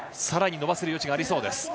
さらに伸ばせる余地がありそう。